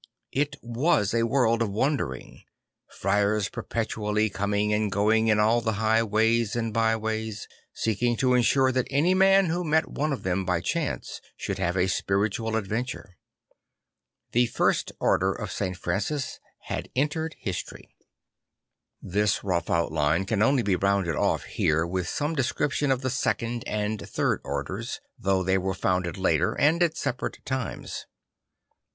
It \vas a world of wandering; friars per petually coming and going in all the highways and byways, seeking to ensure that any man who met one of them by chance should have a spiritual adventure. The First Order of St. Francis had entered history. This rough outline can only be rounded off here with some description of the Second and Third Orders, though they were founded later and at separate times.